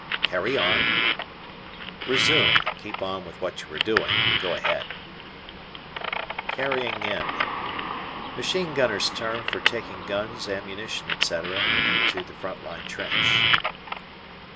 "Carry on." Resume. Keep on with what you are doing. Go ahead. "Carrying in." Machine gunners' term for taking guns, ammunition, etc., into front line trench.